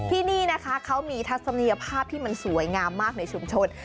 ที่นี่นะคะเขามีทัศนียภาพที่มันสวยงามมากในชุมชน